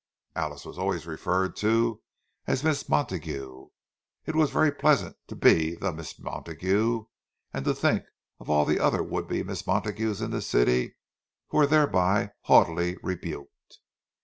(Alice was always referred to as "Miss Montague"; it was very pleasant to be the "Miss Montague," and to think of all the other would be Miss Montagues in the city, who were thereby haughtily rebuked!)